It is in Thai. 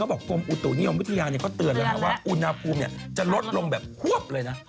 บอกกรมอุตุนิยมวิทยาเขาเตือนแล้วว่าอุณหภูมิจะลดลงแบบควบเลยนะ